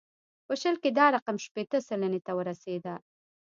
په شل کې دا رقم شپېته سلنې ته رسېده.